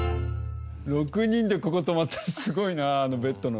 ６人でここ泊まったらすごいなあのベッドの。